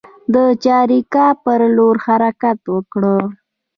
د چاریکار پر لور حرکت وکړ.